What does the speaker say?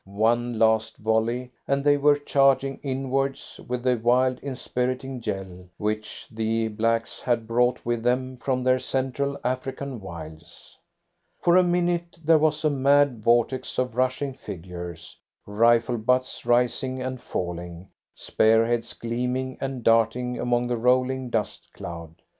One last volley, and they were charging inwards with the wild inspiriting yell which the blacks had brought with them from their central African wilds. For a minute there was a mad vortex of rushing figures, rifle butts rising and falling, spear heads gleaming and darting among the rolling dust cloud.